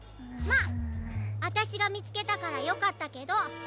まああたしがみつけたからよかったけど。